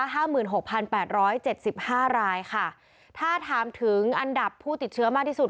ห้าหมื่นหกพันแปดร้อยเจ็ดสิบห้ารายค่ะถ้าถามถึงอันดับผู้ติดเชื้อมากที่สุด